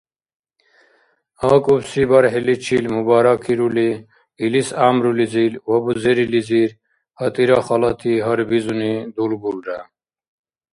АкӀубси бархӀиличил мубаракирули, илис гӀямрулизир ва бузерилизир гьатӀира халати гьарбизуни дулгулра.